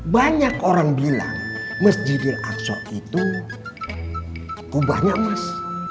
banyak orang bilang mas jidil aksok itu kubahnya emas